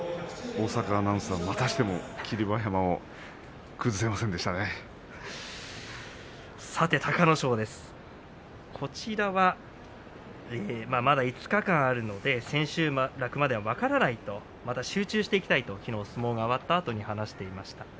大坂アナウンサーまたしても隆の勝まだ５日ありますけども千秋楽までは分からないというまた集中していきたいときのう相撲が終わったあと話していました。